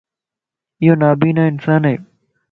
ايونابينا انسان ائي